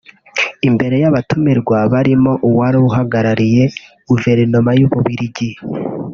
imbere y’abatumirwa barimo uwari uhagarariye Guverinoma y’u Bubiligi